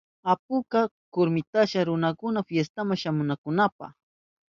Apuka kurmitashka runakuna fiestama shamunankunapa.